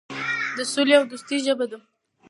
د سولې او دوستۍ ژبه ده.